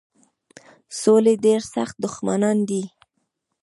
سولي ډېر سخت دښمنان دي.